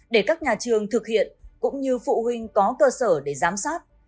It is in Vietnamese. để các nhà trường thực hiện cũng như phụ huynh có cơ sở để giám sát